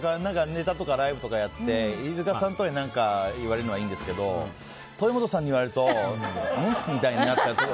ネタとかライブとかやって飯塚さんとかに言われるのはいいんですけど豊本さんに言われるとうん？